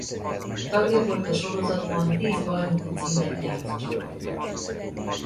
Tagja volt a sorozatban tíz bajnoki címet nyert csapatnak.